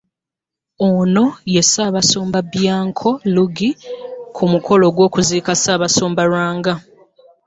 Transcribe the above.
Ono ye Ssaabasumba Bianco Luigi ku mukolo gw'okuziika Ssaabasumba Lwanga.